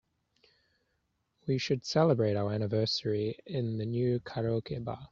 We should celebrate our anniversary in the new karaoke bar.